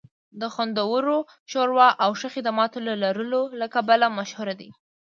د خوندورې ښوروا او ښه خدماتو لرلو له کبله مشهور دی